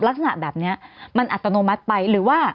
ลักษณะแบบนี้มันอัตโนมัติไปหรือว่า